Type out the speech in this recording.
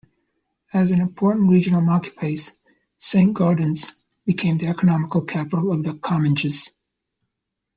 As an important regional marketplace, Saint-Gaudens became the economic capital of the Comminges.